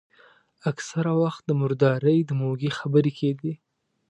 اکثره وخت د مردارۍ د موږي خبرې کېدې.